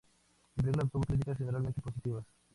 La película obtuvo críticas generalmente positivas.